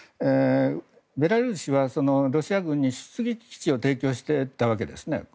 ベラルーシはロシア軍に出撃基地を提供していたわけですね。